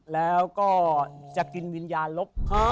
แล้วก็จะกินวิญญาณลบ